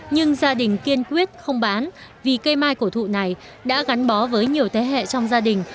nhưng gia đình kiên quyết không bán vì cây mai cổ thụ này đã gắn bó với nhiều thế hệ trong gia đình